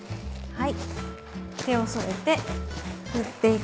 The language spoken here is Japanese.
はい。